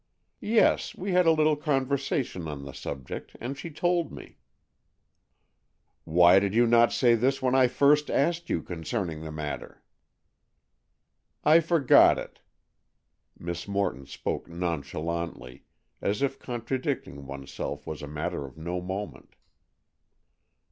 "Yes, we had a little conversation on the subject, and she told me." "Why did you not say this when I first asked you concerning the matter?" "I forgot it." Miss Morton spoke nonchalantly, as if contradicting oneself was a matter of no moment.